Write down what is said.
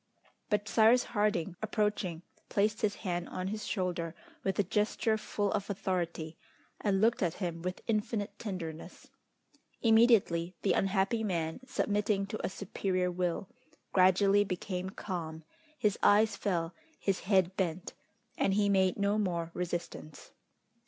But Cyrus Harding approaching, placed his hand on his shoulder with a gesture full of authority, and looked at him with infinite tenderness. Immediately the unhappy man, submitting to a superior will, gradually became calm, his eyes fell, his head bent, and he made no more resistance.